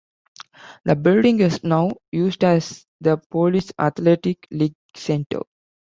The building is now used as the Police Athletic League Center.